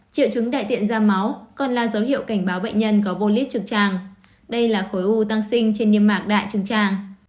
triệu chứng đại tiện ra máu còn là dấu hiệu cảnh báo bệnh nhân có bolit trực tràng đây là khối u tăng sinh trên niêm mạc đại trực tràng